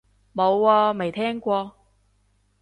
冇喎，未聽過